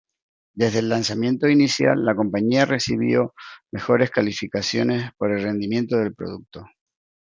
Desde el lanzamiento inicial, la compañía recibió mejores calificaciones por el rendimiento del producto.